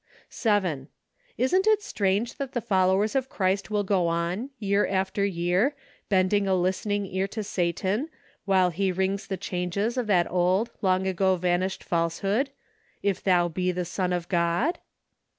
7. Isn't it strange that the followers of Christ will go on, year after year, bending a listening ear to Satan, while he rings the changes of that old. long ago vanished false¬ hood, " If thou be the Son of God